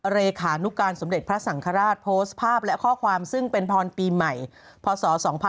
เลขานุการสมเด็จพระสังฆราชโพสต์ภาพและข้อความซึ่งเป็นพรปีใหม่พศ๒๕๖๒